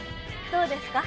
どうですか？